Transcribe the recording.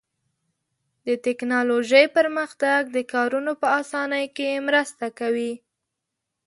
د تکنالوژۍ پرمختګ د کارونو په آسانۍ کې مرسته کوي.